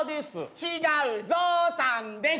「違うゾウさんです」